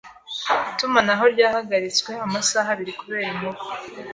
Itumanaho ryahagaritswe amasaha abiri kubera inkuba.